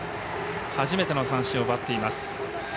初めての三振を奪っています。